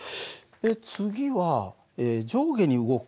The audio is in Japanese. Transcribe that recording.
次は上下に動く